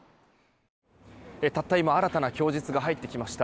たった今新たな供述が入ってきました。